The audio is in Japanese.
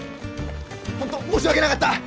ホント申し訳なかった！